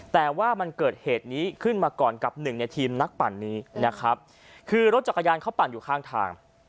แต่ว่ามันเกิดเหตุนี้ขึ้นมาก่อนกับหนึ่งในทีมนักปั่นนี้นะครับคือรถจักรยานเขาปั่นอยู่ข้างทาง